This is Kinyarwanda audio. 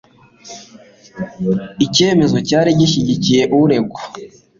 Icyemezo cyari gishyigikiye uregwa.